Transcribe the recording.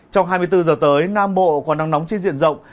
trong hai mươi bốn giờ tới nam bộ có nắng nóng trên diện rộng